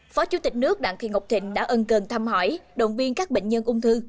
phó chủ tịch nước đặng thị ngọc thịnh đã ân cần thăm hỏi động viên các bệnh nhân ung thư